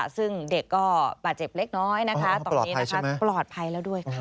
ซึ่งเด็กก็ป่าเจ็บเล็กน้อยตอนนี้ปลอดภัยแล้วด้วย